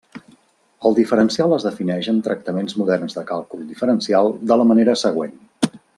El diferencial es defineix en tractaments moderns de càlcul diferencial de la manera següent.